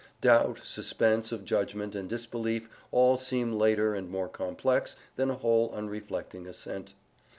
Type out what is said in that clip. Doubt, suspense of judgment and disbelief all seem later and more complex than a wholly unreflecting assent.